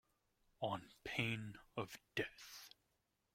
On pain of death.